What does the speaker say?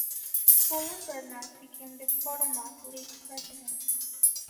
Fuller Bernard became the Potomac League president.